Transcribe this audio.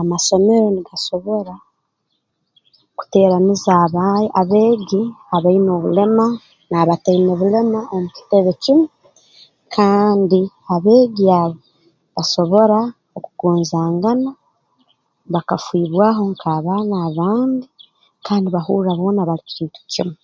Amasomero nigasobora kuteeraniza abaay abeegi abaine obulema n'abataine bulema omu kitebe kimu kandi abeegi abo basobora okugonzangana bakafiibwaaho nk'abaana abandi kandi bahurra boona bali kintu kimu